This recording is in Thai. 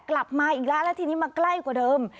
กลับมาอีกแล้วแล้วทีนี้มาใกล้กว่าเดิม